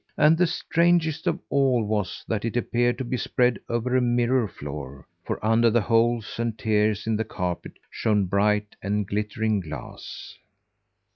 And the strangest of all was that it appeared to be spread over a mirror floor; for under the holes and tears in the carpet shone bright and glittering glass.